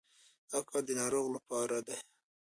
دا کار د ناروغ لپاره دی.